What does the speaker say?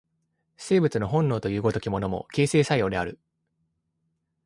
生物の本能という如きものも、形成作用である。